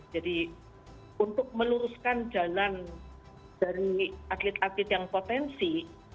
jadi untuk meluruskan jalan dari atlet atlet yang potensi